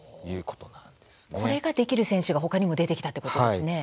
これができる選手がほかにも出てきたということですね。